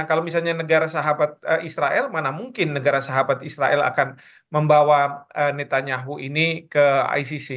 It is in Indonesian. kalau misalnya negara sahabat israel mana mungkin negara sahabat israel akan membawa netanyahu ini ke icc